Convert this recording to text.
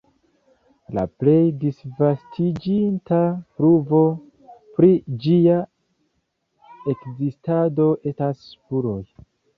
La plej disvastiĝinta pruvo pri ĝia ekzistado estas spuroj.